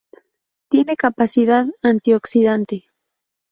Tiene capacidad antioxidante.